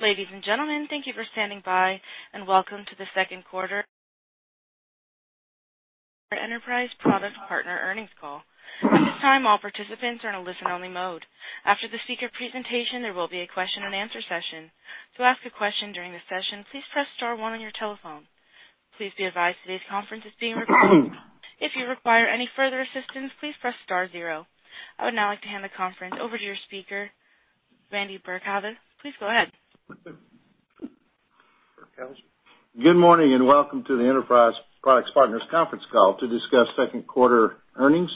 Ladies and gentlemen, thank you for standing by, welcome to the Q2 Enterprise Products Partners earnings call. At this time, all participants are in a listen-only mode. After the speaker presentation, there will be a question and answer session. To ask a question during the session, please press star one on your telephone. Please be advised today's conference is being recorded. If you require any further assistance, please press star zero. I would now like to hand the conference over to your speaker, Randy Burkhalter. Please go ahead. Good morning, and welcome to the Enterprise Products Partners conference call to discuss Q2 earnings.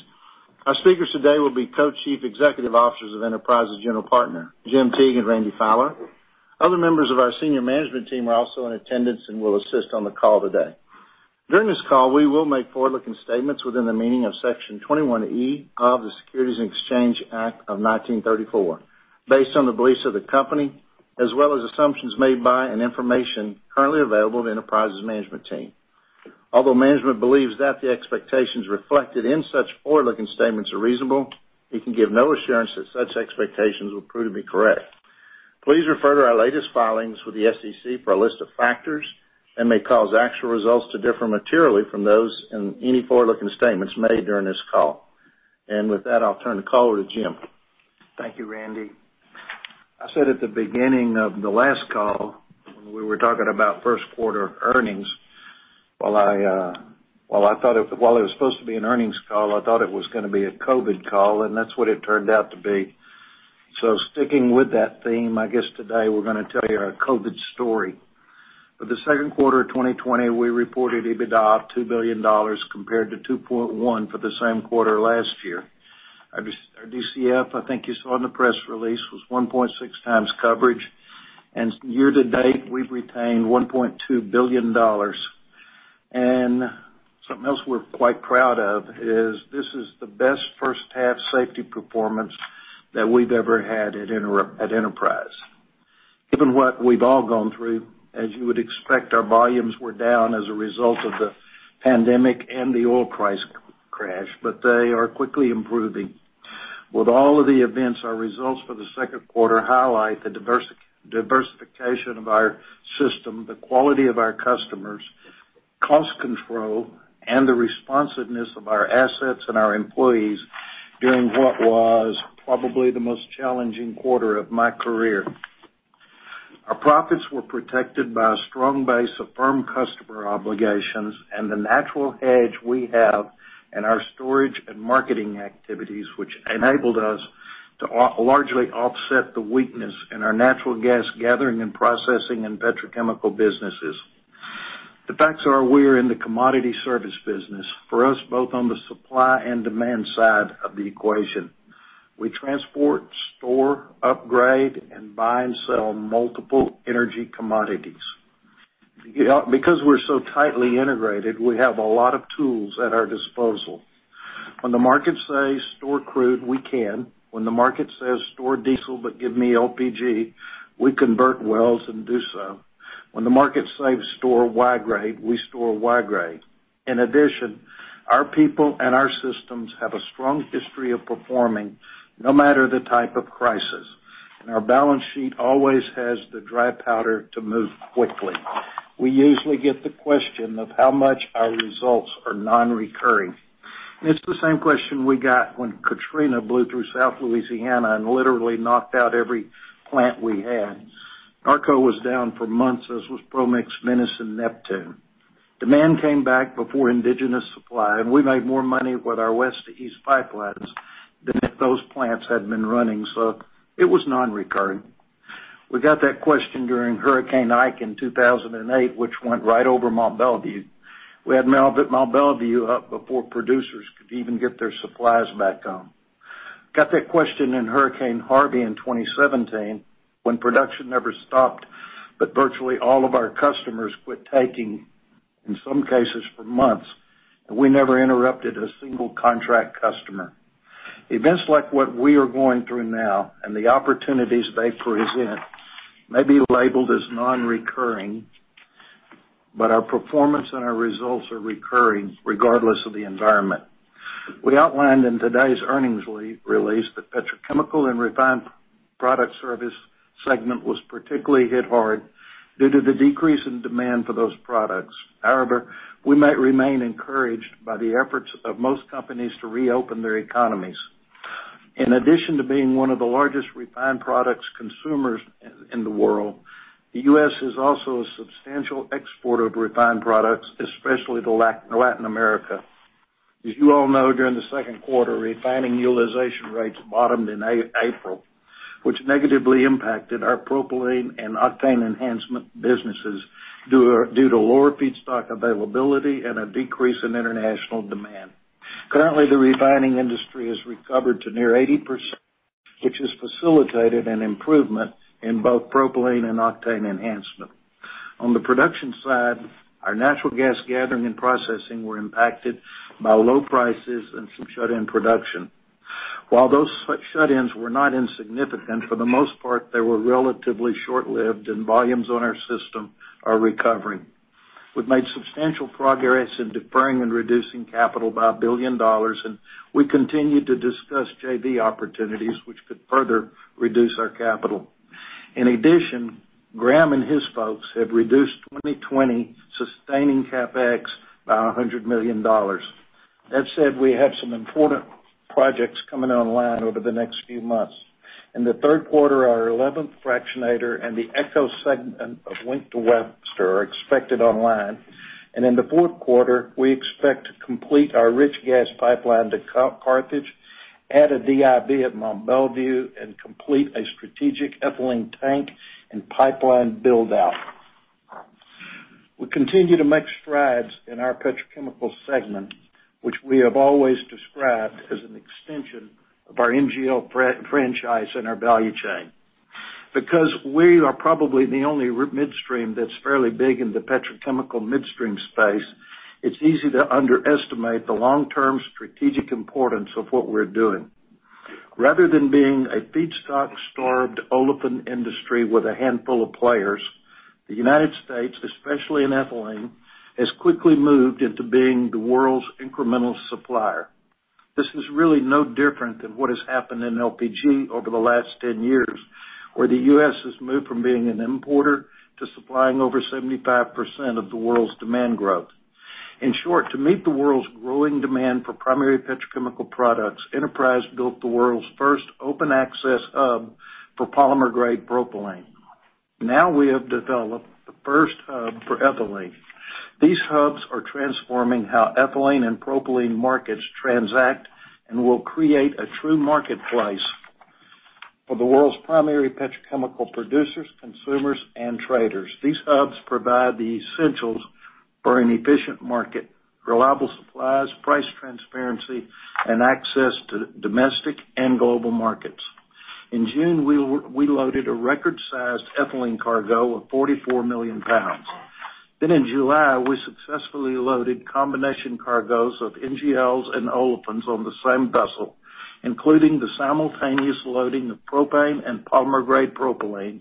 Our speakers today will be Co-Chief Executive Officers of Enterprise's general partner, Jim Teague and Randy Fowler. Other members of our senior management team are also in attendance and will assist on the call today. During this call, we will make forward-looking statements within the meaning of Section 21E of the Securities Exchange Act of 1934, based on the beliefs of the company, as well as assumptions made by and information currently available to Enterprise's management team. Although management believes that the expectations reflected in such forward-looking statements are reasonable, it can give no assurance that such expectations will prove to be correct. Please refer to our latest filings with the SEC for a list of factors that may cause actual results to differ materially from those in any forward-looking statements made during this call. With that, I'll turn the call over to Jim. Thank you, Randy. I said at the beginning of the last call when we were talking about Q1 earnings, while it was supposed to be an earnings call, I thought it was going to be a COVID call, and that's what it turned out to be. Sticking with that theme, I guess today we're going to tell you our COVID story. For the Q2 of 2020, we reported EBITDA of $2 billion compared to $2.1 billion for the same quarter last year. Our DCF, I think you saw in the press release, was 1.6x coverage. Year to date, we've retained $1.2 billion. Something else we're quite proud of is this is the best H1 safety performance that we've ever had at Enterprise. Given what we've all gone through, as you would expect, our volumes were down as a result of the pandemic and the oil price crash, but they are quickly improving. With all of the events, our results for the Q2 highlight the diversification of our system, the quality of our customers, cost control, and the responsiveness of our assets and our employees during what was probably the most challenging quarter of my career. Our profits were protected by a strong base of firm customer obligations and the natural hedge we have in our storage and marketing activities, which enabled us to largely offset the weakness in our natural gas gathering and processing and petrochemical businesses. The facts are we are in the commodity service business for us, both on the supply and demand side of the equation. We transport, store, upgrade, and buy and sell multiple energy commodities. Because we're so tightly integrated, we have a lot of tools at our disposal. When the market says store crude, we can. When the market says store diesel, but give me LPG, we convert wells and do so. When the market says store Y-grade, we store Y-grade. In addition, our people and our systems have a strong history of performing no matter the type of crisis, and our balance sheet always has the dry powder to move quickly. We usually get the question of how much our results are non-recurring. It's the same question we got when Katrina blew through South Louisiana and literally knocked out every plant we had. Norco was down for months, as was Promix, Venice, and Neptune. Demand came back before indigenous supply, and we made more money with our west to east pipelines than if those plants had been running. It was non-recurring. We got that question during Hurricane Ike in 2008, which went right over Mont Belvieu. We had Mont Belvieu up before producers could even get their supplies back on. Got that question in Hurricane Harvey in 2017 when production never stopped, but virtually all of our customers quit taking, in some cases, for months, and we never interrupted a single contract customer. Events like what we are going through now and the opportunities they present may be labeled as non-recurring, but our performance and our results are recurring regardless of the environment. We outlined in today's earnings release that petrochemical and refined product service segment was particularly hit hard due to the decrease in demand for those products. However, we might remain encouraged by the efforts of most companies to reopen their economies. In addition to being one of the largest refined products consumers in the world, the U.S. is also a substantial exporter of refined products, especially to Latin America. As you all know, during the Q2, refining utilization rates bottomed in April, which negatively impacted our propylene and octane enhancement businesses due to lower feedstock availability and a decrease in international demand. Currently, the refining industry has recovered to near 80%, which has facilitated an improvement in both propylene and octane enhancement. On the production side, our natural gas gathering and processing were impacted by low prices and some shut-in production. While those shut-ins were not insignificant, for the most part, they were relatively short-lived, and volumes on our system are recovering. We've made substantial progress in deferring and reducing capital by $1 billion, and we continue to discuss JV opportunities which could further reduce our capital. In addition, Graham and his folks have reduced 2020 sustaining CapEx by $100 million. That said, we have some important projects coming online over the next few months. In the Q3, our 11th fractionator and the ECHO segment of Wink to Webster are expected online. In the Q4, we expect to complete our rich gas pipeline to Carthage, add a DIB at Mont Belvieu, and complete a strategic ethylene tank and pipeline build-out. We continue to make strides in our petrochemical segment, which we have always described as an extension of our NGL franchise and our value chain. We are probably the only midstream that's fairly big in the petrochemical midstream space, it's easy to underestimate the long-term strategic importance of what we're doing. Rather than being a feedstock-starved olefin industry with a handful of players, the United States, especially in ethylene, has quickly moved into being the world's incremental supplier. This is really no different than what has happened in LPG over the last 10 years, where the U.S. has moved from being an importer to supplying over 75% of the world's demand growth. In short, to meet the world's growing demand for primary petrochemical products, Enterprise built the world's first open-access hub for polymer grade propylene. Now we have developed the first hub for ethylene. These hubs are transforming how ethylene and propylene markets transact and will create a true marketplace for the world's primary petrochemical producers, consumers, and traders. These hubs provide the essentials for an efficient market, reliable supplies, price transparency, and access to domestic and global markets. In June, we loaded a record-sized ethylene cargo of 44 million pounds. In July, we successfully loaded combination cargoes of NGLs and olefins on the same vessel, including the simultaneous loading of propane and polymer-grade propylene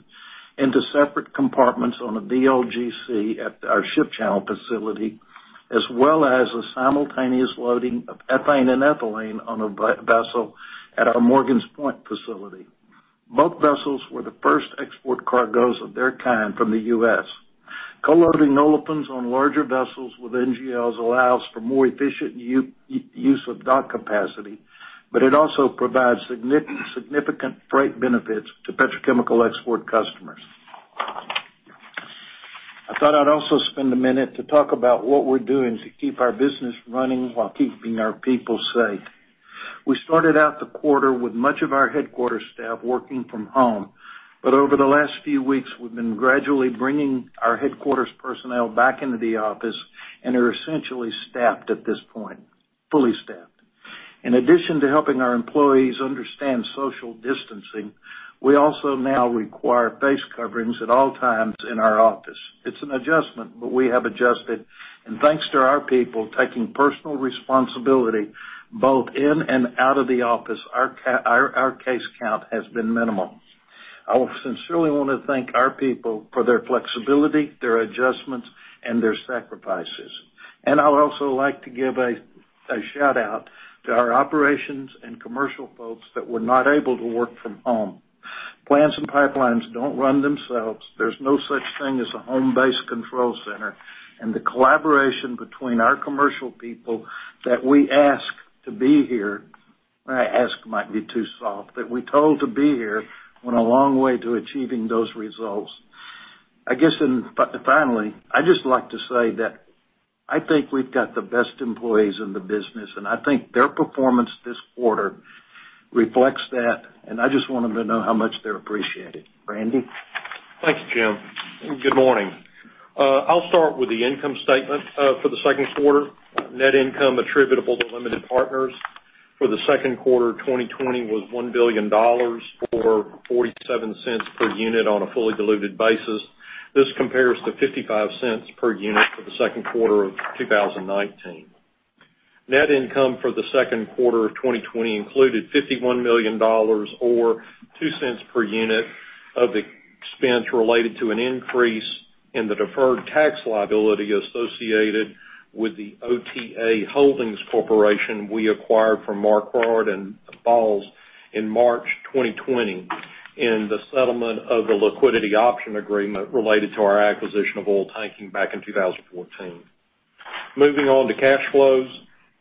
into separate compartments on a VLGC at our ship channel facility, as well as the simultaneous loading of ethane and ethylene on a vessel at our Morgan's Point facility. Both vessels were the first export cargoes of their kind from the U.S. Co-loading olefins on larger vessels with NGLs allows for more efficient use of dock capacity, but it also provides significant freight benefits to petrochemical export customers. I thought I'd also spend a minute to talk about what we're doing to keep our business running while keeping our people safe. We started out the quarter with much of our headquarters staff working from home. Over the last few weeks, we've been gradually bringing our headquarters personnel back into the office and are essentially staffed at this point, fully staffed. In addition to helping our employees understand social distancing, we also now require face coverings at all times in our office. It's an adjustment, but we have adjusted, and thanks to our people taking personal responsibility both in and out of the office, our case count has been minimal. I sincerely want to thank our people for their flexibility, their adjustments, and their sacrifices. I would also like to give a shout-out to our operations and commercial folks that were not able to work from home. Plants and pipelines don't run themselves. There's no such thing as a home-based control center, and the collaboration between our commercial people that we ask to be here, ask might be too soft, that we told to be here, went a long way to achieving those results. I guess, finally, I'd just like to say that I think we've got the best employees in the business, and I think their performance this quarter reflects that, and I just want them to know how much they're appreciated. Randy Fowler? Thank you, Jim Teague, good morning. I'll start with the income statement for the Q2. Net income attributable to limited partners for the Q2 2020 was $1 billion or $0.47 per unit on a fully diluted basis. This compares to $0.55 per unit for Q2 of 2019. Net income for the Q2 of 2020 included $51 million or $0.02 per unit of expense related to an increase in the deferred tax liability associated with the OTA Holdings Corporation we acquired from Marquard & Bahls in March 2020 in the settlement of the liquidity option agreement related to our acquisition of Oiltanking back in 2014. Moving on to cash flows.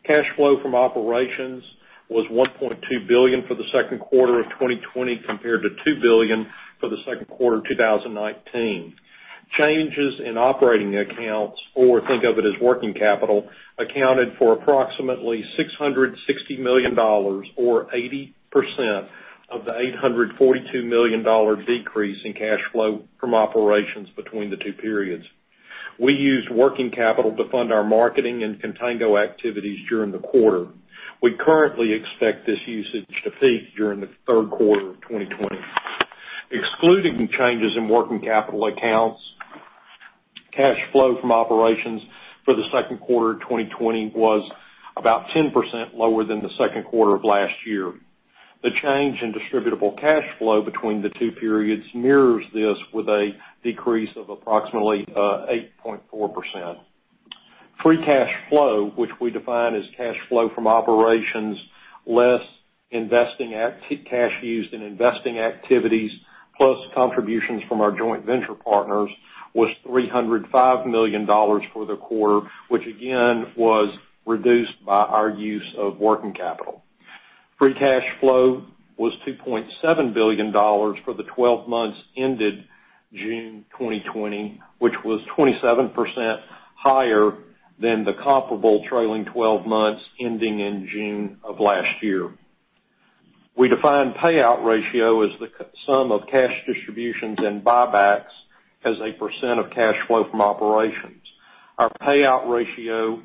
Cash flow from operations was $1.2 billion for the Q2 of 2020, compared to $2 billion for the Q2 of 2019. Changes in operating accounts, or think of it as working capital, accounted for approximately $660 million or 80% of the $842 million decrease in cash flow from operations between the two periods. We used working capital to fund our marketing and contango activities during the quarter. We currently expect this usage to peak during Q3 of 2020. Excluding changes in working capital accounts, cash flow from operations for the Q2 of 2020 was about 10% lower than the second quarter of last year. The change in distributable cash flow between the two periods mirrors this with a decrease of approximately 8.4%. Free cash flow, which we define as cash flow from operations less cash used in investing activities, plus contributions from our joint venture partners, was $305 million for the quarter, which again, was reduced by our use of working capital. Free cash flow was $2.7 billion for the 12 months ended June 2020, which was 27% higher than the comparable trailing 12 months ending in June of last year. We define payout ratio as the sum of cash distributions and buybacks as a percent of cash flow from operations. Our payout ratio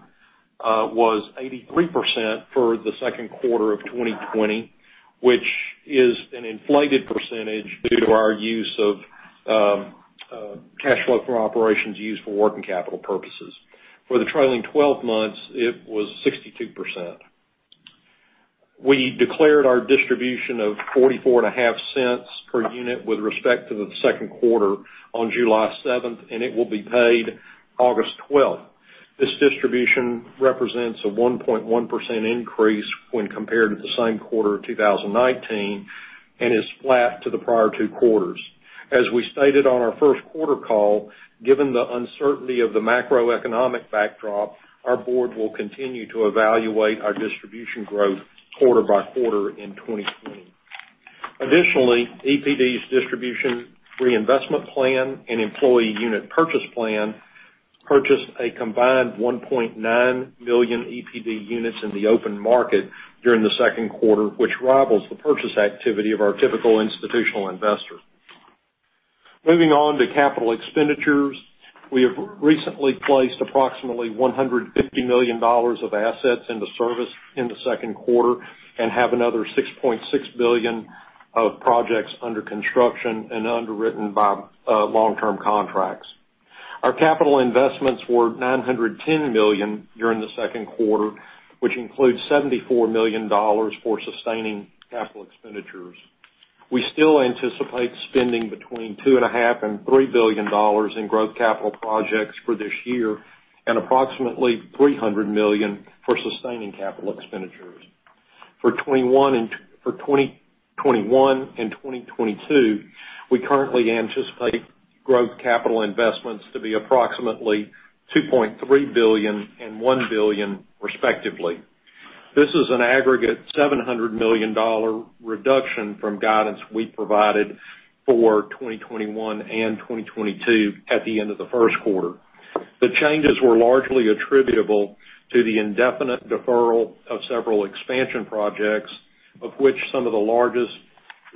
was 83% for the Q2 of 2020, which is an inflated percentage due to our use of cash flow from operations used for working capital purposes. For the trailing 12 months, it was 62%. We declared our distribution of $0.445 per unit with respect to the Q2 on July 7th, and it will be paid August 12th. This distribution represents a 1.1% increase when compared to the same quarter of 2019, and is flat to the prior two quarters. As we stated on our Q1 call, given the uncertainty of the macroeconomic backdrop, our board will continue to evaluate our distribution growth quarter-by-quarter in 2020. EPD's distribution reinvestment plan and employee unit purchase plan purchased a combined 1.9 million EPD units in the open market during the Q2, which rivals the purchase activity of our typical institutional investor. Moving on to capital expenditures. We have recently placed approximately $150 million of assets into service in the Q2, and have another $6.6 billion of projects under construction and underwritten by long-term contracts. Our capital investments were $910 million during the Q2, which includes $74 million for sustaining capital expenditures. We still anticipate spending between $2.5 billion-$3 billion in growth capital projects for this year, and approximately $300 million for sustaining capital expenditures. For 2021 and 2022, we currently anticipate growth capital investments to be approximately $2.3 billion and $1 billion respectively. This is an aggregate $700 million reduction from guidance we provided for 2021 and 2022 at the end of the Q1. The changes were largely attributable to the indefinite deferral of several expansion projects, of which some of the largest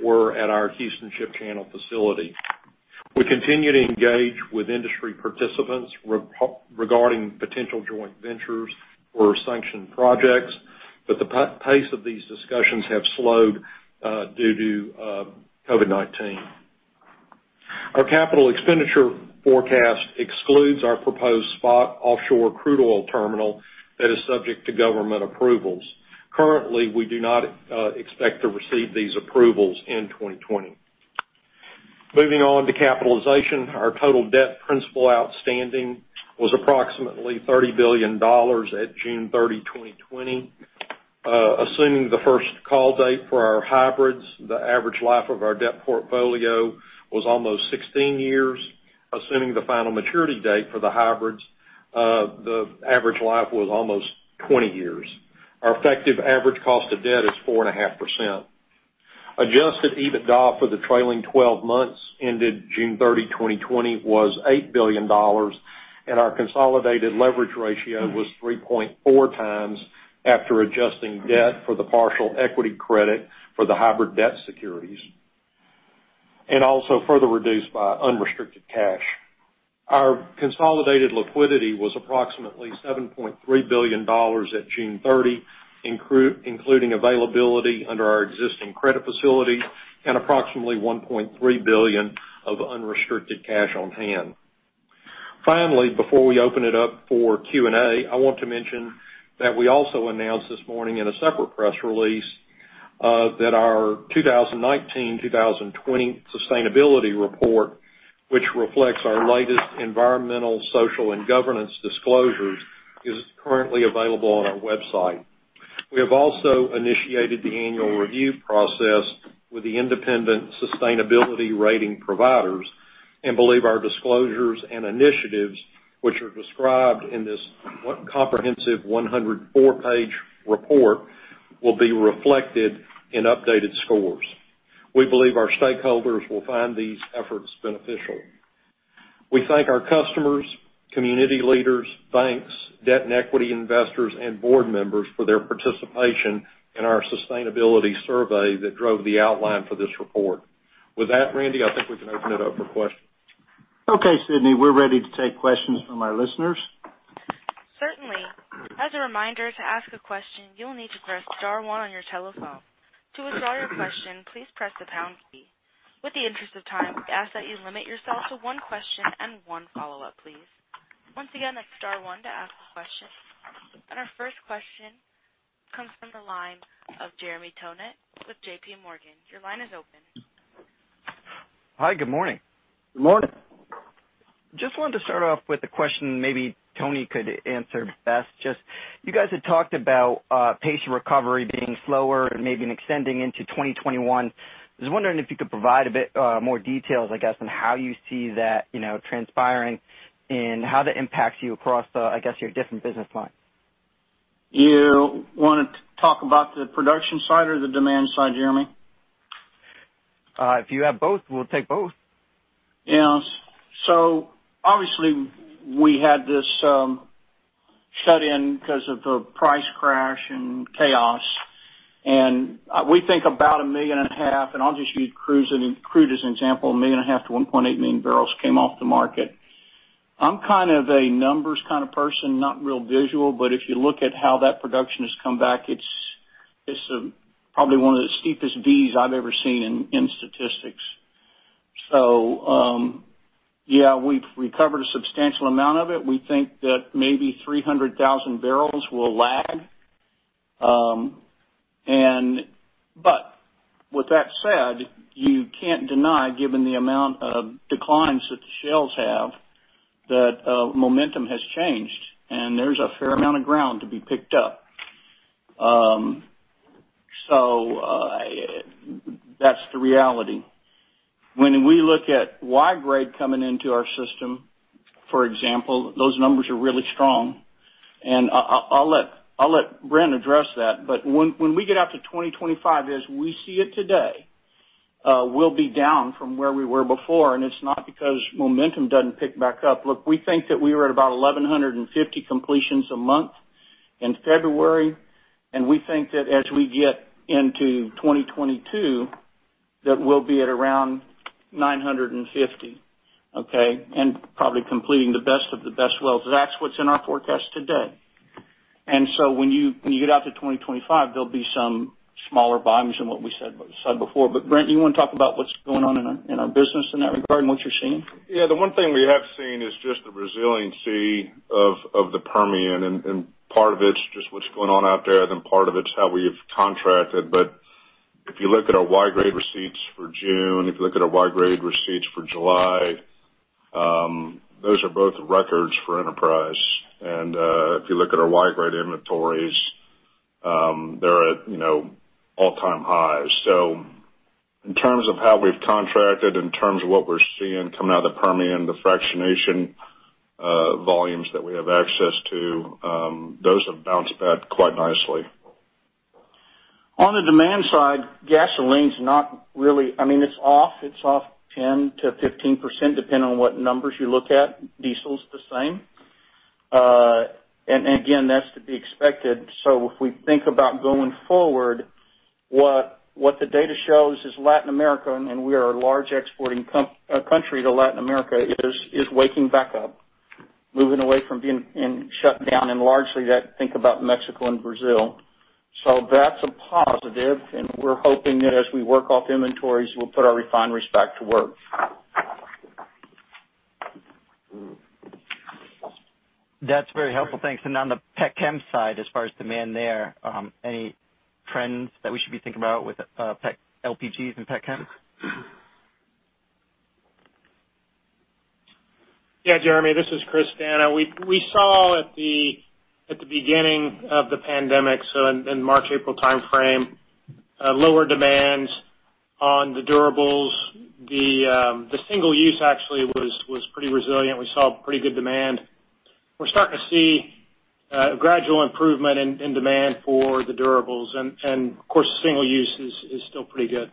were at our Houston Ship Channel facility. We continue to engage with industry participants regarding potential joint ventures or sanctioned projects, the pace of these discussions have slowed due to COVID-19. Our capital expenditure forecast excludes our proposed SPOT offshore crude oil terminal that is subject to government approvals. Currently, we do not expect to receive these approvals in 2020. Moving on to capitalization. Our total debt principal outstanding was approximately $30 billion at June 30, 2020. Assuming the first call date for our hybrids, the average life of our debt portfolio was almost 16 years. Assuming the final maturity date for the hybrids, the average life was almost 20 years. Our effective average cost of debt is 4.5%. Adjusted EBITDA for the trailing 12 months ended June 30, 2020, was $8 billion, and our consolidated leverage ratio was 3.4x after adjusting debt for the partial equity credit for the hybrid debt securities, and also further reduced by unrestricted cash. Our consolidated liquidity was approximately $7.3 billion at June 30, including availability under our existing credit facility and approximately $1.3 billion of unrestricted cash on hand. Finally, before we open it up for Q&A, I want to mention that we also announced this morning in a separate press release that our 2019-2020 sustainability report, which reflects our latest environmental, social, and governance disclosures, is currently available on our website. We have also initiated the annual review process with the independent sustainability rating providers and believe our disclosures and initiatives, which are described in this comprehensive 104-page report, will be reflected in updated scores. We believe our stakeholders will find these efforts beneficial. We thank our customers, community leaders, banks, debt and equity investors, and board members for their participation in our sustainability survey that drove the outline for this report. With that, Randy Burkhalter, I think we can open it up for questions. Okay, Sydney, we're ready to take questions from our listeners. Certainly. As a reminder, to ask a question, you'll need to press star one on your telephone. To withdraw your question, please press the pound key. With the interest of time, we ask that you limit yourself to one question and one follow-up, please. Once again, that's star one to ask a question. Our first question comes from the line of Jeremy Tonet with JPMorgan. Your line is open. Hi, good morning. Good morning. Just wanted to start off with a question maybe Tony could answer best. You guys had talked about patient recovery being slower and maybe extending into 2021. I was wondering if you could provide a bit more details, I guess, on how you see that transpiring and how that impacts you across your different business lines? You want to talk about the production side or the demand side, Jeremy? If you have both, we'll take both. Yeah. Obviously we had this shut-in because of the price crash and chaos. We think about 1.5 million, and I'll just use crude as an example, 1.5 MMbbl to 1.8 MMbbl came off the market. I'm a numbers kind of person, not real visual. If you look at how that production has come back, it's probably one of the steepest Vs I've ever seen in statistics. Yeah, we've recovered a substantial amount of it. With that said, you can't deny, given the amount of declines that the shales have, that momentum has changed, and there's a fair amount of ground to be picked up. That's the reality. When we look at Y-grade coming into our system, for example, those numbers are really strong. I'll let Brent address that, but when we get out to 2025, as we see it today, we'll be down from where we were before, and it's not because momentum doesn't pick back up. Look, we think that we were at about 1,150 completions a month in February, and we think that as we get into 2022, that we'll be at around 950. Okay. Probably completing the best of the best wells. That's what's in our forecast today. When you get out to 2025, there'll be some smaller volumes than what we said before. Brent, you want to talk about what's going on in our business in that regard and what you're seeing? The one thing we have seen is just the resiliency of the Permian, and part of it's just what's going on out there, then part of it's how we've contracted. If you look at our Y-grade receipts for June, if you look at our Y-grade receipts for July, those are both records for Enterprise. If you look at our Y-grade inventories, they're at all-time highs. In terms of how we've contracted, in terms of what we're seeing coming out of the Permian, the fractionation volumes that we have access to, those have bounced back quite nicely. On the demand side, gasoline's off 10%-15%, depending on what numbers you look at. Diesel's the same. Again, that's to be expected. If we think about going forward, what the data shows is Latin America, and we are a large exporting country to Latin America, is waking back up, moving away from being shut down, and largely think about Mexico and Brazil. That's a positive, and we're hoping that as we work off inventories, we'll put our refineries back to work. That's very helpful, thanks. On the pet chem side, as far as demand there, any trends that we should be thinking about with LPGs and pet chems? Yeah, Jeremy, this is Christopher D'Anna. We saw at the beginning of the pandemic, so in March, April timeframe, lower demands on the durables. The single use actually was pretty resilient. We saw pretty good demand. We're starting to see a gradual improvement in demand for the durables. Of course, single use is still pretty good.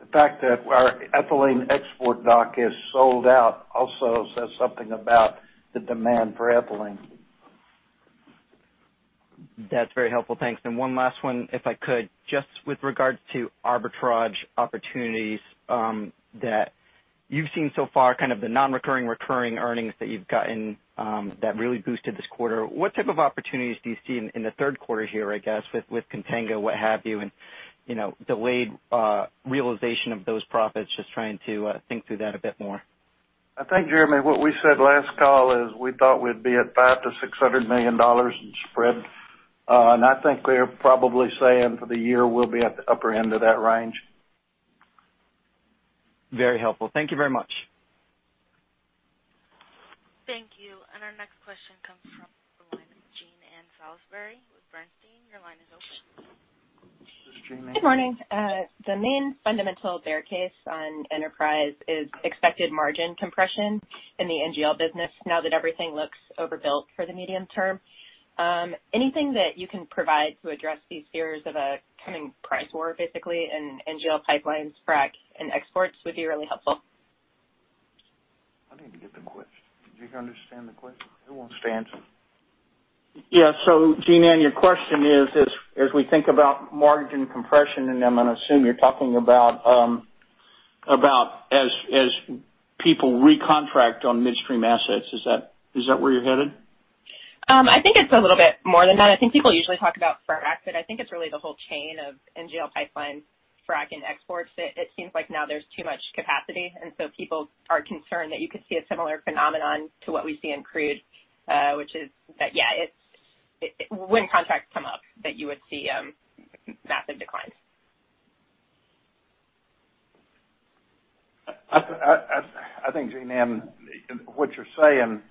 The fact that our ethylene export dock is sold out also says something about the demand for ethylene. That's very helpful, thanks. One last one, if I could, just with regards to arbitrage opportunities that you've seen so far, kind of the non-recurring, recurring earnings that you've gotten that really boosted this quarter. What type of opportunities do you see in the Q3 here, I guess, with contango, what have you, and delayed realization of those profits? Just trying to think through that a bit more. I think, Jeremy, what we said last call is we thought we'd be at $500 million-$600 million in spread. I think we're probably saying for the year we'll be at the upper end of that range. Very helpful. Thank you very much. Thank you. Our next question comes from the line of Jean Ann Salisbury with Bernstein. Your line is open. Good morning. The main fundamental bear case on Enterprise is expected margin compression in the NGL business now that everything looks overbuilt for the medium term. Anything that you can provide to address these fears of a coming price war, basically, in NGL pipelines, frac, and exports would be really helpful. I need to get the question. Did you understand the question? It won't stay unanswered. Yeah. Jean Ann, your question is, as we think about margin compression, and I'm going to assume you're talking about as people recontract on midstream assets. Is that where you're headed? I think it's a little bit more than that. I think people usually talk about frack, but I think it's really the whole chain of NGL pipelines, frac and exports, it seems like now there's too much capacity, and so people are concerned that you could see a similar phenomenon to what we see in crude, which is that, yeah, when contracts come up that you would see massive declines. I think, Jean Ann, what you're saying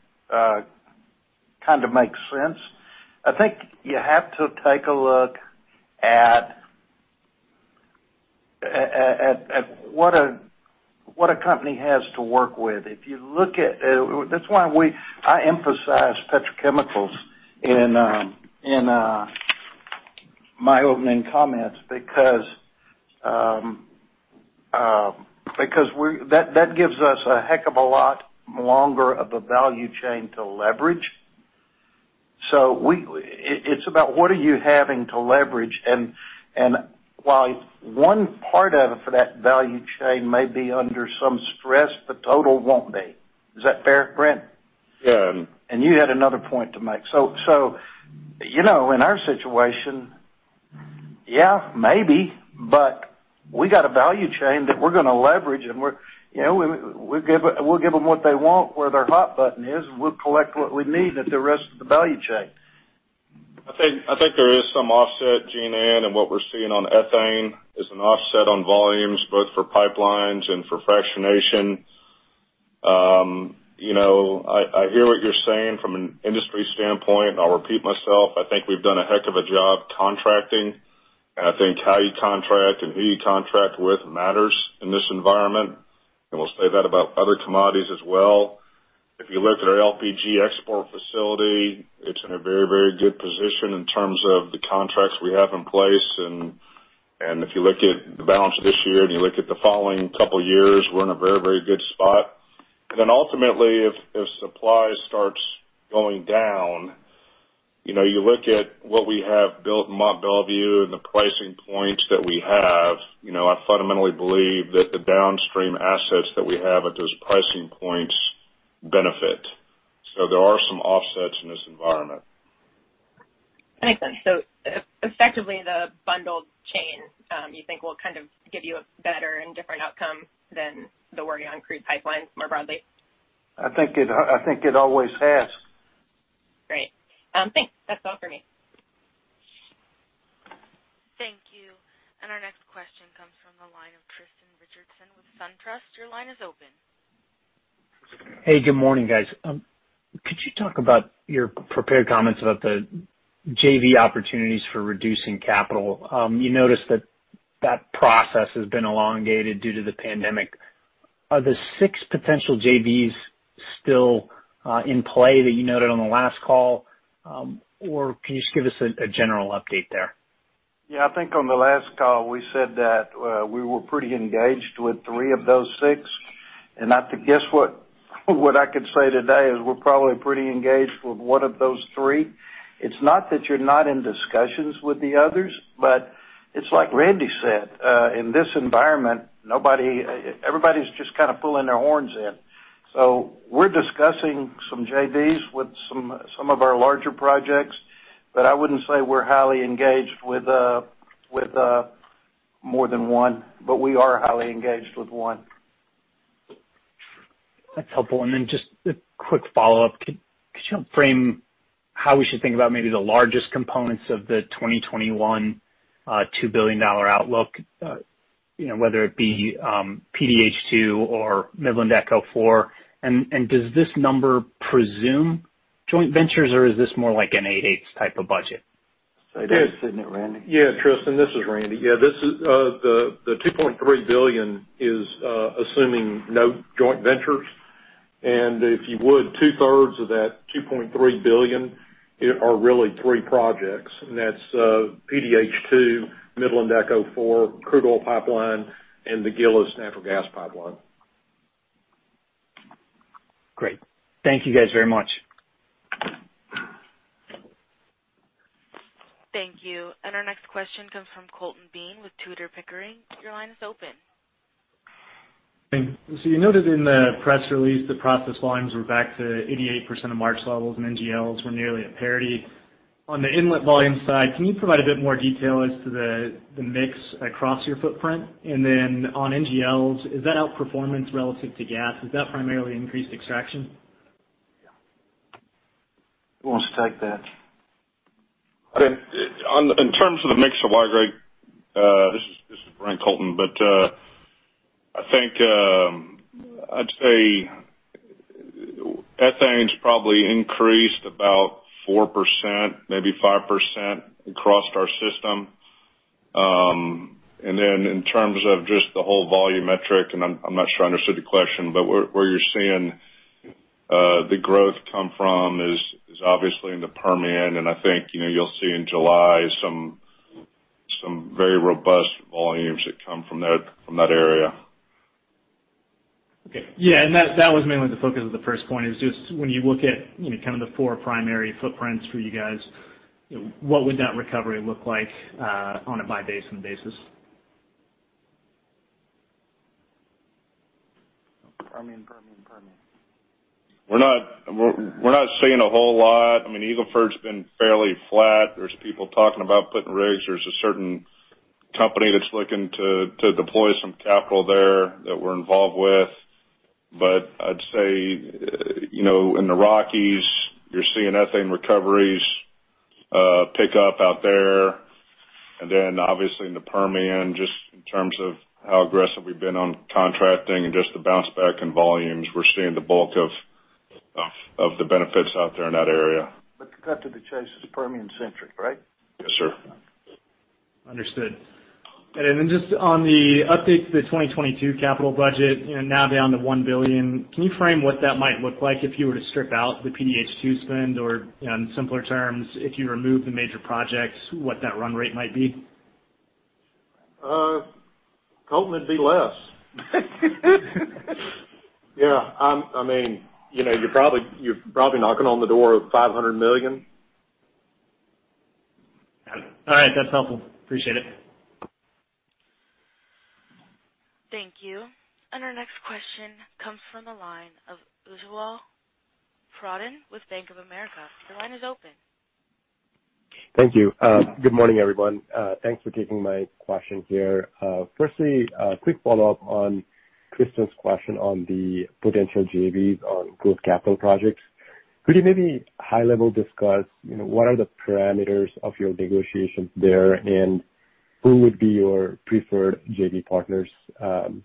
kind of makes sense. I think you have to take a look at what a company has to work with. That's why I emphasized petrochemicals in my opening comments because that gives us a heck of a lot longer of a value chain to leverage. It's about what are you having to leverage, and while one part of that value chain may be under some stress, the total won't be. Is that fair, Brent? Yeah. You had another point to make. In our situation, yeah, maybe, but we got a value chain that we're going to leverage, and we'll give them what they want, where their hot button is, and we'll collect what we need at the rest of the value chain. I think there is some offset, Jean Ann, what we're seeing on ethane is an offset on volumes both for pipelines and for fractionation. I hear what you're saying from an industry standpoint, I'll repeat myself. I think we've done a heck of a job contracting, I think how you contract and who you contract with matters in this environment, we'll say that about other commodities as well. If you look at our LPG export facility, it's in a very good position in terms of the contracts we have in place. If you look at the balance of this year, and you look at the following couple of years, we're in a very good spot. Ultimately, if supply starts going down, you look at what we have built in Mont Belvieu and the pricing points that we have. I fundamentally believe that the downstream assets that we have at those pricing points benefit. There are some offsets in this environment. Makes sense. Effectively, the bundled chain, you think will kind of give you a better and different outcome than the worry on crude pipelines more broadly? I think it always has. Great. Thanks. That's all for me. Thank you. Our next question comes from the line of Tristan Richardson with SunTrust. Your line is open. Hey, good morning, guys. Could you talk about your prepared comments about the JV opportunities for reducing capital? You noted that that process has been elongated due to the pandemic. Are the six potential JVs still in play that you noted on the last call? Can you just give us a general update there? I think on the last call, we said that we were pretty engaged with three of those six. I think guess what I could say today is we're probably pretty engaged with one of those three. It's not that you're not in discussions with the others, but it's like Randy Fowler said. We're discussing some JVs with some of our larger projects, but I wouldn't say we're highly engaged with more than one, but we are highly engaged with one. That's helpful. Just a quick follow-up. Could you frame how we should think about maybe the largest components of the 2021 $2 billion outlook? Whether it be PDH2 or Midland-to-ECHO 4. Does this number presume joint ventures, or is this more like an eight-eighths type of budget? Is that you, Randy Fowler? Yeah, Tristan, this is Randy. Yeah. The $2.3 billion is assuming no joint ventures. If you would, two-thirds of that $2.3 billion are really three projects, and that's PDH2, Midland-to-ECHO 4 crude oil pipeline, and the Gillis natural gas pipeline. Great. Thank you guys very much. Thank you. Our next question comes from Colton Bean with Tudor, Pickering. Your line is open. Thanks. You noted in the press release that process volumes were back to 88% of March levels, and NGLs were nearly at parity. On the inlet volume side, can you provide a bit more detail as to the mix across your footprint? On NGLs, is that outperformance relative to gas? Is that primarily increased extraction? Who wants to take that? In terms of the mix of Y-grade, this is Brent, Colton. I think, I'd say ethane's probably increased about 4%, maybe 5% across our system. In terms of just the whole volume metric, and I'm not sure I understood the question, but where you're seeing the growth come from is obviously in the Permian. I think you'll see in July some very robust volumes that come from that area. Okay. Yeah, that was mainly the focus of the first point is just when you look at kind of the four primary footprints for you guys, what would that recovery look like on a by basin basis? Permian We're not seeing a whole lot. Eagle Ford's been fairly flat. There's people talking about putting rigs. There's a certain company that's looking to deploy some capital there that we're involved with. I'd say, in the Rockies, you're seeing ethane recoveries pick up out there. Obviously in the Permian, just in terms of how aggressive we've been on contracting and just the bounce back in volumes, we're seeing the bulk of the benefits out there in that area. The cut to the chase is Permian centric, right? Yes, sir. Understood. Just on the update to the 2022 capital budget, now down to $1 billion, can you frame what that might look like if you were to strip out the PDH2 spend or, in simpler terms, if you remove the major projects, what that run rate might be? Hoping it'd be less. Yeah. You're probably knocking on the door of $500 million. All right. That's helpful. Appreciate it. Thank you. Our next question comes from the line of Ujjwal Pradhan with Bank of America. Your line is open. Thank you. Good morning, everyone. Thanks for taking my question here. A quick follow-up on Tristan's question on the potential JVs on growth capital projects. Could you maybe high level discuss what are the parameters of your negotiations there, and who would be your preferred JV partners? He's asking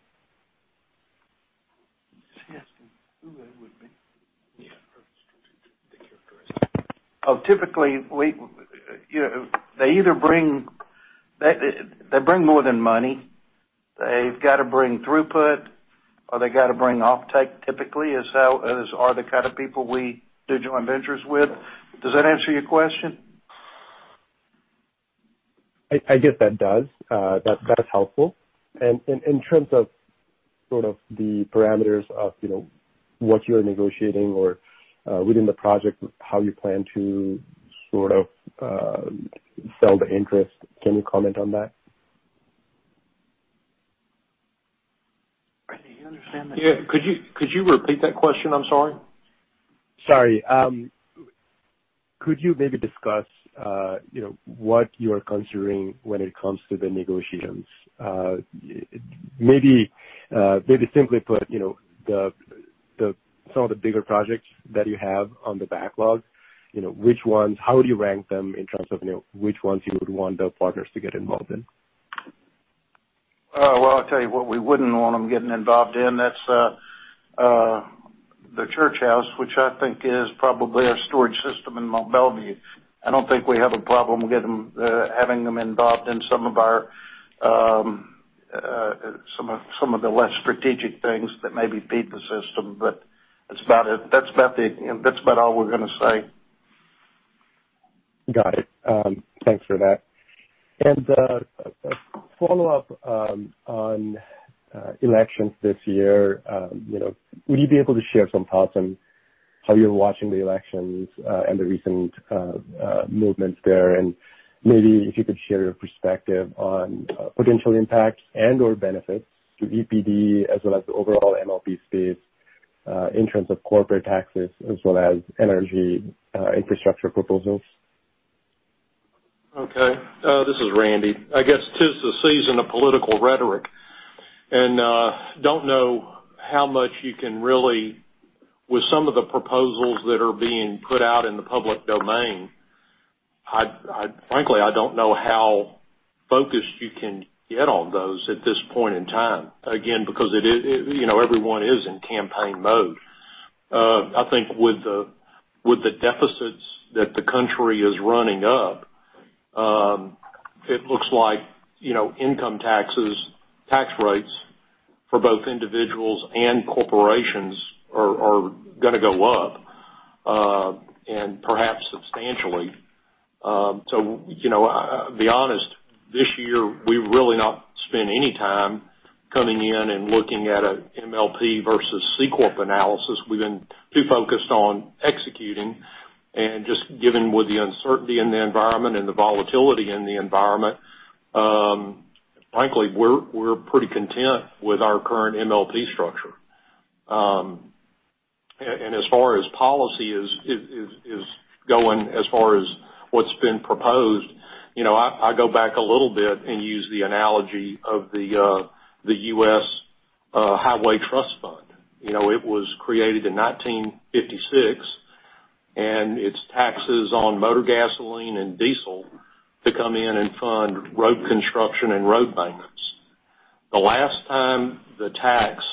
who they would be? Yeah. The characteristics. Typically, they bring more than money. They've got to bring throughput or they got to bring offtake, typically, are the kind of people we do joint ventures with. Does that answer your question? I guess that does. That's helpful. In terms of sort of the parameters of what you're negotiating or within the project, how you plan to sort of sell the interest, can you comment on that? Randy Fowler, you understand that. Yeah. Could you repeat that question? I'm sorry. Sorry. Could you maybe discuss what you are considering when it comes to the negotiations? Maybe simply put, some of the bigger projects that you have on the backlog, how would you rank them in terms of which ones you would want the partners to get involved in? Well, I'll tell you what we wouldn't want them getting involved in. That's the church house, which I think is probably our storage system in Mont Belvieu. I don't think we have a problem having them involved in some of the less strategic things that maybe feed the system, but that's about all we're going to say. Got it. Thanks for that. A follow-up on elections this year. Would you be able to share some thoughts on how you're watching the elections, and the recent movements there? Maybe if you could share your perspective on potential impacts and/or benefits to EPD as well as the overall MLP space in terms of corporate taxes as well as energy infrastructure proposals. Okay. This is Randy Fowler. I guess this is the season of political rhetoric. Don't know how much you can really With some of the proposals that are being put out in the public domain, frankly, I don't know how focused you can get on those at this point in time. Again, because everyone is in campaign mode. I think with the deficits that the country is running up, it looks like income tax rates for both individuals and corporations are going to go up, and perhaps substantially. To be honest, this year, we've really not spent any time coming in and looking at a MLP versus C corp analysis. We've been too focused on executing and just given with the uncertainty in the environment and the volatility in the environment, frankly, we're pretty content with our current MLP structure. As far as policy is going, as far as what's been proposed, I go back a little bit and use the analogy of the U.S. Highway Trust Fund. It was created in 1956, and it's taxes on motor gasoline and diesel to come in and fund road construction and road maintenance. The last time the tax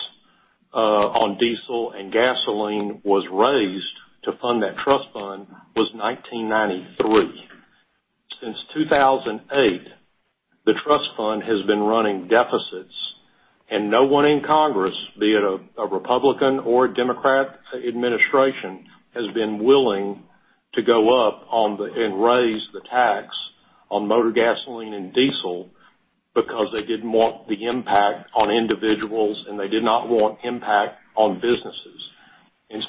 on diesel and gasoline was raised to fund that trust fund was 1993. Since 2008, the Highway Trust Fund has been running deficits and no one in Congress, be it a Republican or a Democrat administration, has been willing to go up and raise the tax on motor gasoline and diesel because they didn't want the impact on individuals, and they did not want impact on businesses.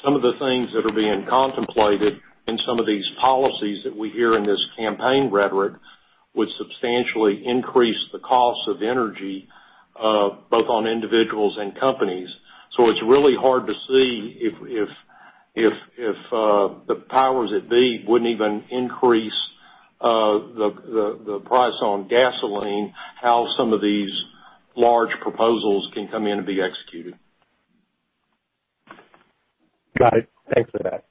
Some of the things that are being contemplated in some of these policies that we hear in this campaign rhetoric would substantially increase the cost of energy both on individuals and companies. It's really hard to see if the powers that be wouldn't even increase the price on gasoline, how some of these large proposals can come in and be executed. Got it. Thanks for that.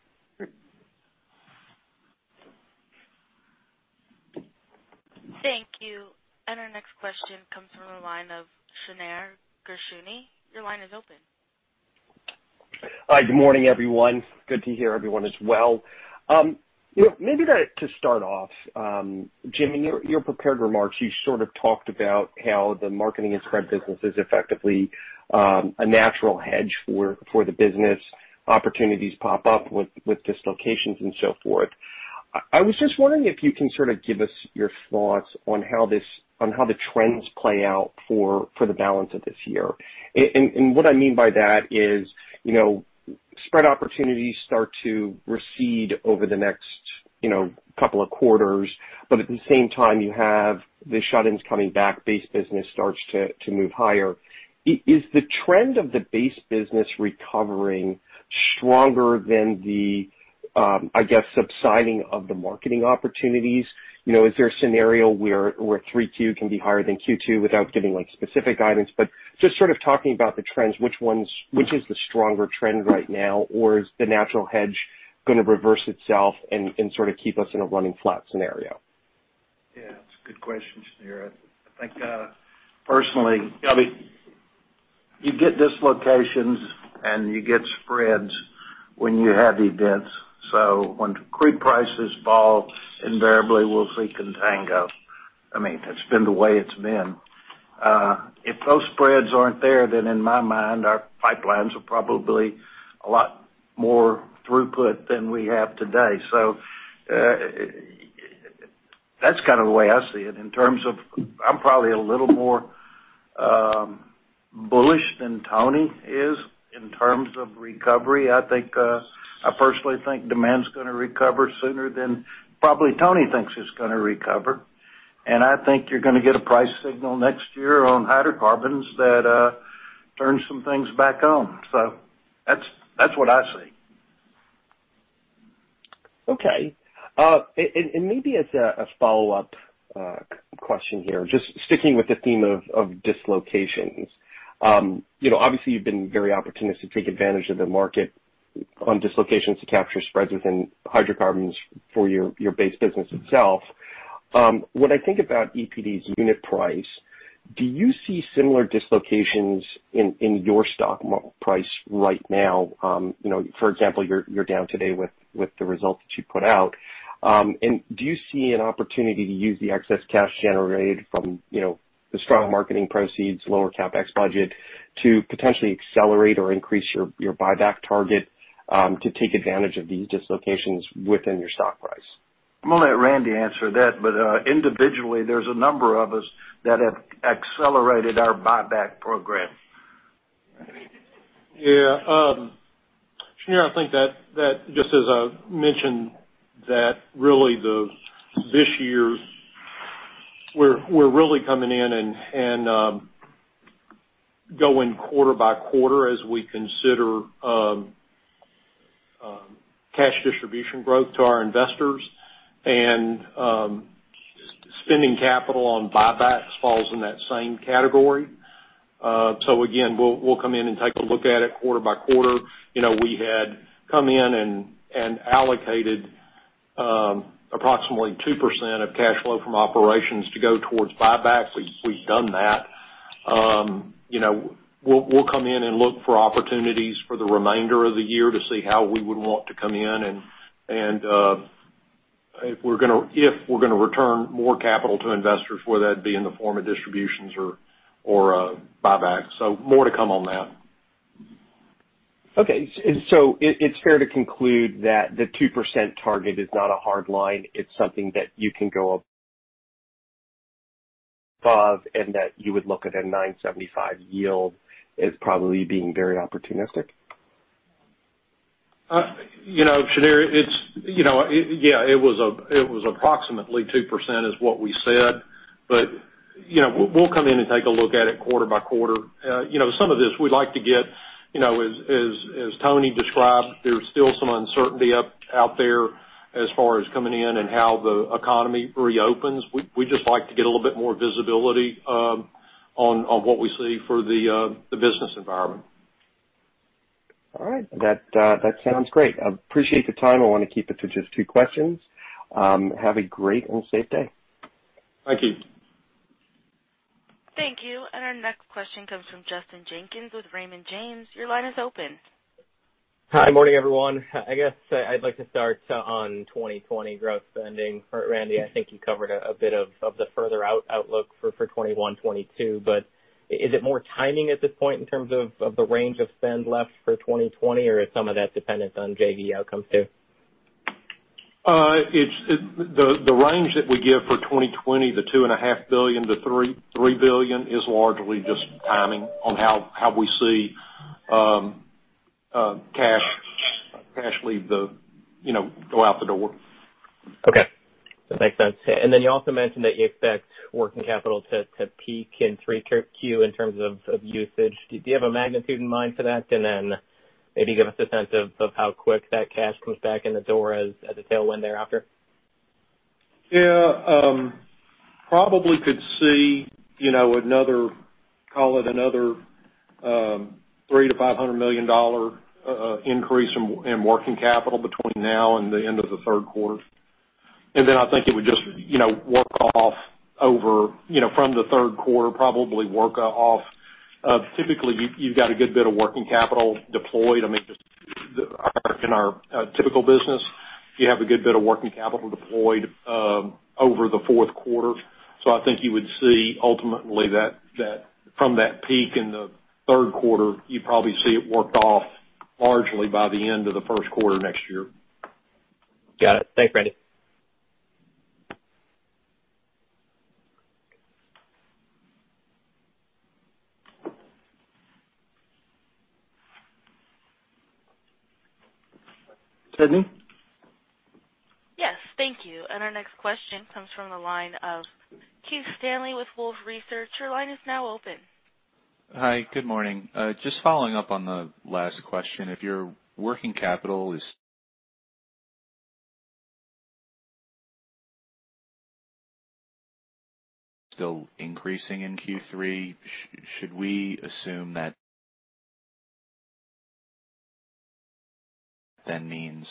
Thank you. Our next question comes from the line of Shneur Gershuni. Your line is open. Hi, good morning, everyone. Good to hear everyone is well. Maybe to start off, Jim, in your prepared remarks, you sort of talked about how the marketing and spread business is effectively a natural hedge for the business. Opportunities pop up with dislocations and so forth. I was just wondering if you can sort of give us your thoughts on how the trends play out for the balance of this year. What I mean by that is spread opportunities start to recede over the next couple of quarters. At the same time, you have the shut-ins coming back, base business starts to move higher. Is the trend of the base business recovering stronger than the, I guess, subsiding of the marketing opportunities? Is there a scenario where Q3 can be higher than Q2 without giving specific guidance, but just sort of talking about the trends, which is the stronger trend right now, or is the natural hedge going to reverse itself and sort of keep us in a running flat scenario? Yeah, that's a good question, Shneur. I think, personally, you get dislocations, and you get spreads when you have events. When crude prices fall, invariably we'll see contango. That's been the way it's been. If those spreads aren't there, then in my mind, our pipelines are probably a lot more throughput than we have today. That's kind of the way I see it. I'm probably a little more bullish than Tony Chovanec is in terms of recovery. I personally think demand's going to recover sooner than probably Tony Chovanec thinks it's going to recover. I think you're going to get a price signal next year on hydrocarbons that turns some things back on. That's what I see. Okay. Maybe as a follow-up question here, just sticking with the theme of dislocations. Obviously, you've been very opportunistic to take advantage of the market on dislocations to capture spreads within hydrocarbons for your base business itself. When I think about EPD's unit price, do you see similar dislocations in your stock price right now? For example, you're down today with the results that you put out. Do you see an opportunity to use the excess cash generated from the strong marketing proceeds, lower CapEx budget to potentially accelerate or increase your buyback target to take advantage of these dislocations within your stock price? I'm going to let Randy answer that, but individually, there's a number of us that have accelerated our buyback program. Shneur, I think that just as I mentioned that really this year, we're really coming in and going quarter-by-quarter as we consider cash distribution growth to our investors, and spending capital on buybacks falls in that same category. Again, we'll come in and take a look at it quarter-by-quarter. We had come in and allocated approximately 2% of cash flow from operations to go towards buybacks. We've done that. We'll come in and look for opportunities for the remainder of the year to see how we would want to come in, and if we're going to return more capital to investors, whether that be in the form of distributions or buybacks. More to come on that. Okay. It's fair to conclude that the 2% target is not a hard line. It's something that you can go above, and that you would look at a 9.75% yield as probably being very opportunistic? Shneur, yeah, it was approximately 2%, is what we said. We'll come in and take a look at it quarter-by-quarter. Some of this we'd like to get, as Tony described, there's still some uncertainty out there as far as coming in and how the economy reopens. We'd just like to get a little bit more visibility on what we see for the business environment. All right. That sounds great. I appreciate the time. I want to keep it to just two questions. Have a great and safe day. Thank you. Thank you. Our next question comes from Justin Jenkins with Raymond James. Your line is open. Hi. Morning, everyone. I guess I'd like to start on 2020 growth spending. Randy Fowler, I think you covered a bit of the further out outlook for 2021, 2022, but is it more timing at this point in terms of the range of spend left for 2020, or is some of that dependent on JV outcomes too? The range that we give for 2020, the $2.5 billion-$3 billion is largely just timing on how we see cash leave the go out the door. Okay. That makes sense. You also mentioned that you expect working capital to peak in Q3 in terms of usage. Do you have a magnitude in mind for that? Maybe give us a sense of how quick that cash comes back in the door as a tailwind thereafter. Yeah. Probably could see call it another $300 million-$500 million increase in working capital between now and the end of the Q3. I think it would just work off from the Q3, probably work off. Typically, you've got a good bit of working capital deployed. I mean, just in our typical business, you have a good bit of working capital deployed over the Q4. I think you would see ultimately that from that peak in the Q3, you probably see it worked off largely by the end of the Q1 next year. Got it. Thanks, Randy Fowler. Sydney? Yes. Thank you. Our next question comes from the line of Keith Stanley with Wolfe Research. Your line is now open. Hi, good morning. Just following up on the last question, if your working capital is still increasing in Q3, should we assume that then means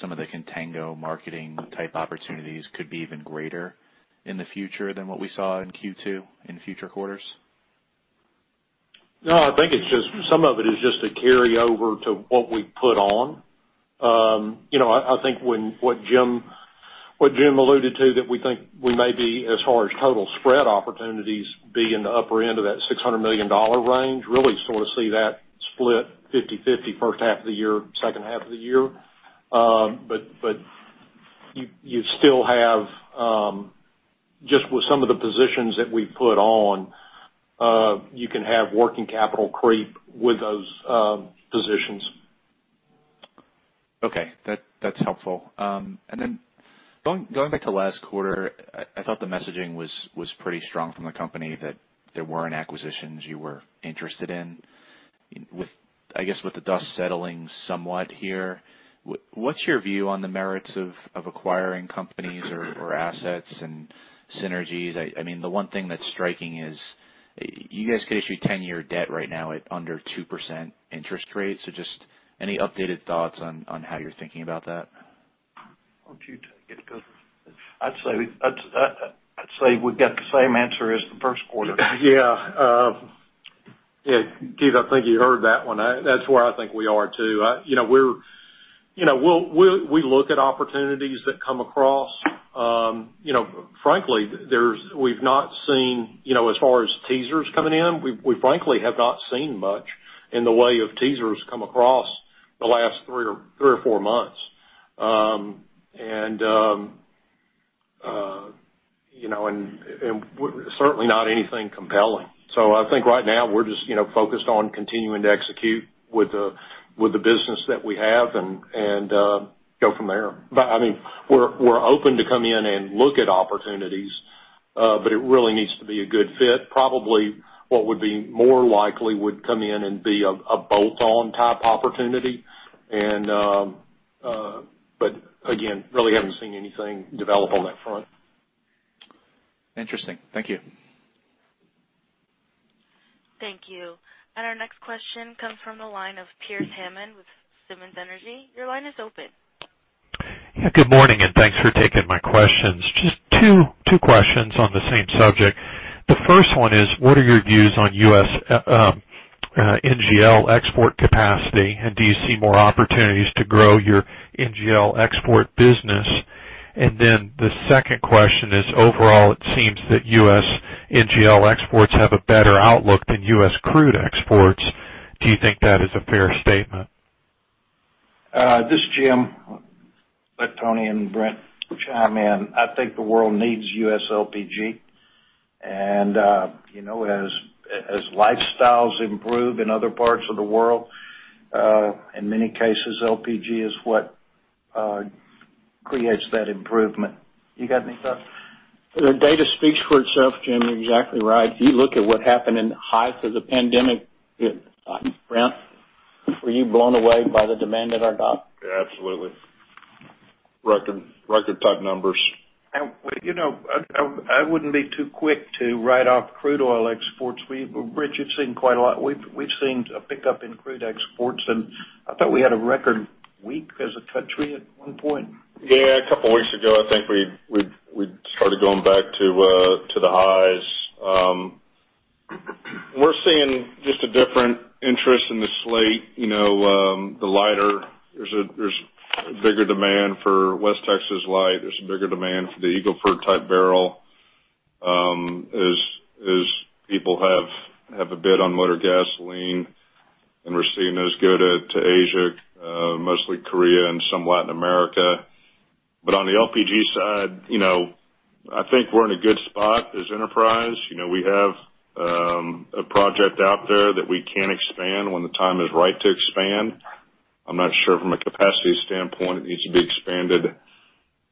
some of the contango marketing type opportunities could be even greater in the future than what we saw in Q2 in future quarters? No, I think some of it is just a carryover to what we put on. I think what Jim Teague alluded to, that we think we may be, as far as total spread opportunities, be in the upper end of that $600 million range. Really sort of see that split 50/50 H1 of the year, H2 of the year. But you still have, just with some of the positions that we put on, you can have working capital creep with those positions. Okay. That's helpful. Then going back to last quarter, I thought the messaging was pretty strong from the company that there weren't acquisitions you were interested in. I guess with the dust settling somewhat here, what's your view on the merits of acquiring companies or assets and synergies? I mean, the one thing that's striking is you guys could issue 10-year debt right now at under 2% interest rate. Just any updated thoughts on how you're thinking about that? Why don't you take it? I'd say we've got the same answer as the Q1. Yeah. Keith, I think you heard that one. That's where I think we are too. We look at opportunities that come across. Frankly, we've not seen, as far as teasers coming in, we frankly have not seen much in the way of teasers come across the last three or four months. Certainly not anything compelling. I think right now, we're just focused on continuing to execute with the business that we have and go from there. I mean, we're open to come in and look at opportunities. It really needs to be a good fit. Probably what would be more likely would come in and be a bolt-on type opportunity. Again, really haven't seen anything develop on that front. Interesting. Thank you. Thank you. Our next question comes from the line of Pearce Hammond with Simmons Energy. Your line is open. Yeah, good morning. Thanks for taking my questions. Just two questions on the same subject. The first one is, what are your views on U.S. NGL export capacity? Do you see more opportunities to grow your NGL export business? The second question is, overall, it seems that U.S. NGL exports have a better outlook than U.S. crude exports. Do you think that is a fair statement? This is Jim. I'll let Tony and Brent chime in. I think the world needs U.S. LPG. As lifestyles improve in other parts of the world, in many cases, LPG is what creates that improvement. You got anything else? The data speaks for itself, Jim. You're exactly right. If you look at what happened in the height of the pandemic, Brent, were you blown away by the demand that I got? Absolutely. Record type numbers. I wouldn't be too quick to write off crude oil exports. Brent, you've seen quite a lot. We've seen a pickup in crude exports, and I thought we had a record week as a country at one point. Yeah, a couple of weeks ago, I think we started going back to the highs. We're seeing just a different interest in the slate. The lighter, there's a bigger demand for West Texas Light. There's a bigger demand for the Eagle Ford type barrel. As people have a bid on motor gasoline, and we're seeing those go to Asia, mostly Korea and some Latin America. On the LPG side, I think we're in a good spot as Enterprise. We have a project out there that we can expand when the time is right to expand. I'm not sure from a capacity standpoint it needs to be expanded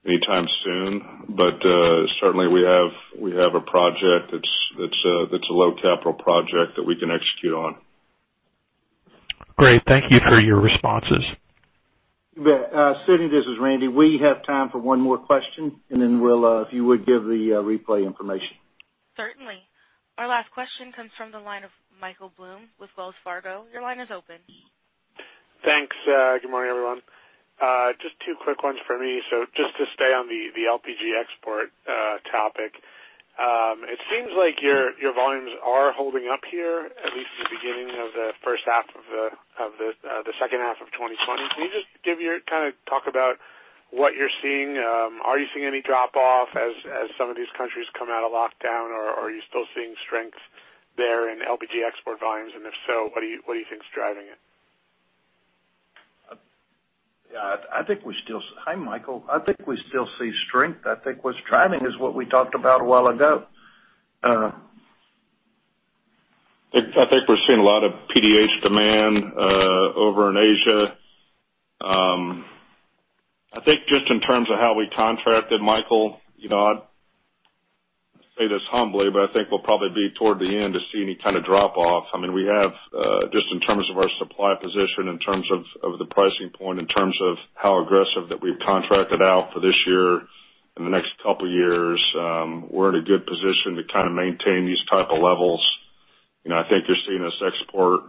anytime soon. Certainly we have a project that's a low capital project that we can execute on. Great. Thank you for your responses. You bet. Sydney, this is Randy Burkhalter. We have time for one more question, and then if you would give the replay information. Certainly. Our last question comes from the line of Michael Blum with Wells Fargo. Your line is open. Thanks. Good morning, everyone. Just two quick ones for me. Just to stay on the LPG export topic. It seems like your volumes are holding up here, at least in the beginning of the H1 of the H2 of 2020. Can you just kind of talk about what you're seeing? Are you seeing any drop-off as some of these countries come out of lockdown, or are you still seeing strength there in LPG export volumes? If so, what do you think is driving it? Yeah. Hi, Michael. I think we still see strength. I think what's driving is what we talked about a while ago. I think we're seeing a lot of PDH demand over in Asia. I think just in terms of how we contracted, Michael, I say this humbly, but I think we'll probably be toward the end to see any kind of drop-off. We have, just in terms of our supply position, in terms of the pricing point, in terms of how aggressive that we've contracted out for this year and the next couple of years, we're in a good position to kind of maintain these type of levels. I think you're seeing us export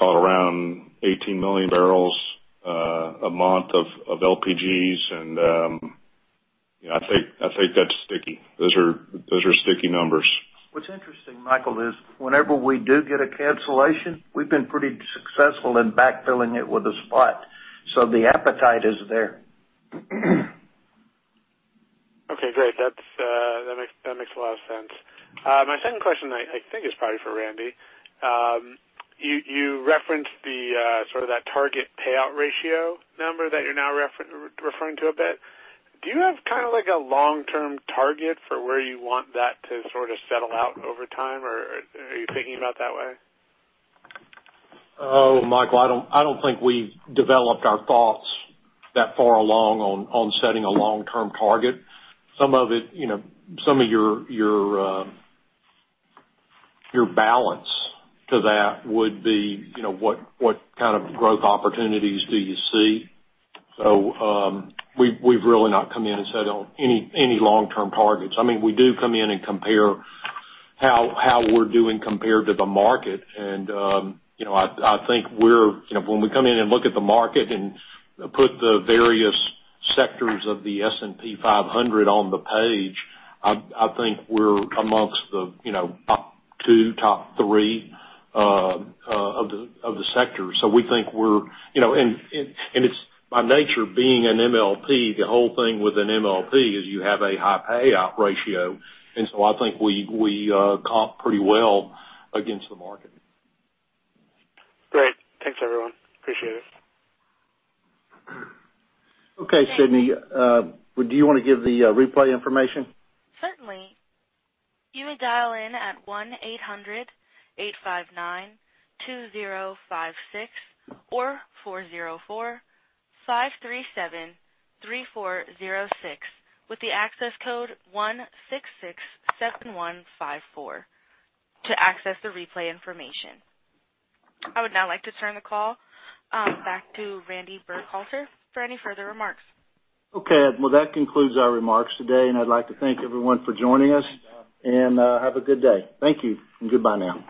around 18 million barrels a month of LPGs, and I think that's sticky. Those are sticky numbers. What's interesting, Michael, is whenever we do get a cancellation, we've been pretty successful in backfilling it with a spot. The appetite is there. Okay, great. That makes a lot of sense. My second question I think is probably for Randy. You referenced the sort of that target payout ratio number that you're now referring to a bit. Do you have kind of like a long-term target for where you want that to sort of settle out over time or are you thinking about that way? Michael, I don't think we've developed our thoughts that far along on setting a long-term target. Some of your balance to that would be what kind of growth opportunities do you see? We've really not come in and set any long-term targets. We do come in and compare how we're doing compared to the market, and I think when we come in and look at the market and put the various sectors of the S&P 500 on the page, I think we're amongst the top two, top three of the sectors. It's by nature being an MLP, the whole thing with an MLP is you have a high payout ratio, I think we comp pretty well against the market. Great. Thanks, everyone. Appreciate it. Okay, Sydney. Do you want to give the replay information? Certainly. You may dial in at 1-800-859-2056 or 404-537-3406 with the access code 1667154 to access the replay information. I would now like to turn the call back to Randy Burkhalter for any further remarks. Okay. Well, that concludes our remarks today. I'd like to thank everyone for joining us. Have a good day. Thank you. Goodbye now.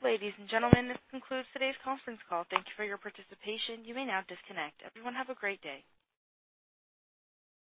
Ladies and gentlemen, this concludes today's conference call. Thank you for your participation. You may now disconnect. Everyone have a great day.